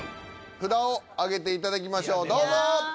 札を挙げていただきましょうどうぞ。